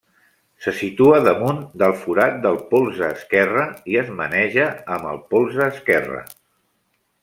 Se situa damunt del forat del polze esquerre i es maneja amb el polze esquerre.